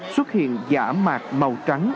xuất hiện giả mạc màu trắng